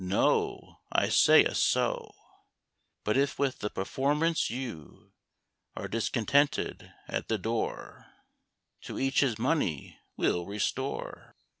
no, I say, a sou; But if with the performance you Are discontented, at the door To each his money we'll restore."